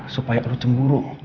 supaya lu cemburu